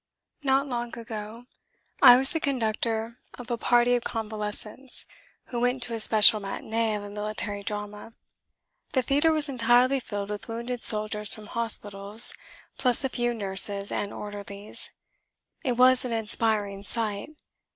Not long ago I was the conductor of a party of convalescents who went to a special matinée of a military drama. The theatre was entirely filled with wounded soldiers from hospitals, plus a few nurses and orderlies. It was an inspiring sight.